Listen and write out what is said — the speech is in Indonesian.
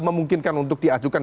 memungkinkan untuk diajukan